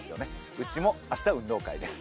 うちも明日、運動会です。